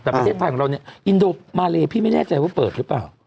แต่ประเทศไทยของเราเนี่ยอินโดมาเลพี่ไม่แน่ใจว่าเปิดหรือเปล่า